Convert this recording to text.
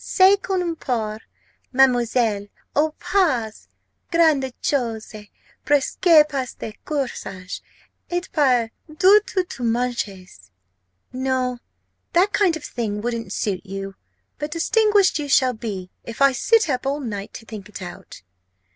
Ce qu'on porte, Mademoiselle? O pas grand'chose! presque pas de corsage, et pas du tout de manches!' No, that kind of thing wouldn't suit you. But distinguished you shall be, if I sit up all night to think it out!"